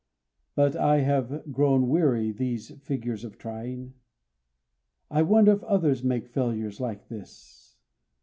But I have grown weary these figures of trying; I wonder if others make failures like this?